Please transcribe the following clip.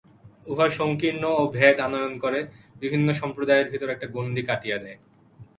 উহা সঙ্কীর্ণতা ও ভেদ আনয়ন করে, বিভিন্ন সম্প্রদায়ের ভিতর একটা গণ্ডী কাটিয়া দেয়।